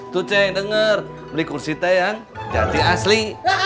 tuh ceng dengar beli kursi teh yang jati asli